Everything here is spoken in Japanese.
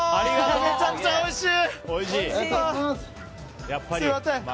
めちゃくちゃおいしい！